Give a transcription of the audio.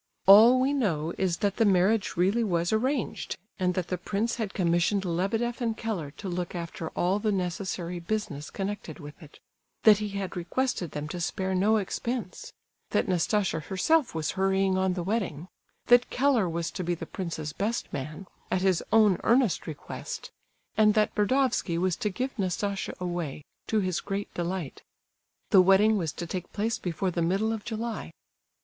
All we know is, that the marriage really was arranged, and that the prince had commissioned Lebedeff and Keller to look after all the necessary business connected with it; that he had requested them to spare no expense; that Nastasia herself was hurrying on the wedding; that Keller was to be the prince's best man, at his own earnest request; and that Burdovsky was to give Nastasia away, to his great delight. The wedding was to take place before the middle of July.